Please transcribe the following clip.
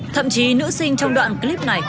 thậm chí nữ sinh trong đoạn clip này